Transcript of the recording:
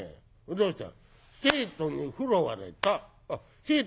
どうした？」。